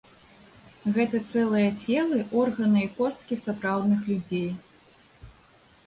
Гэта цэлыя целы, органы і косткі сапраўдных людзей.